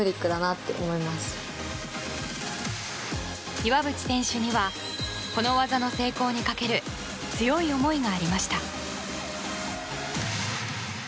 岩渕選手にはこの技の成功にかける強い思いがありました。